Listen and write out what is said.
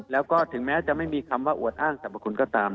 แล้วก็ถึงแม้จะไม่มีคำว่าอวดอ้างสรรพคุณก็ตาม